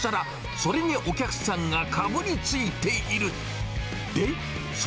それにお客さんがかぶりついている。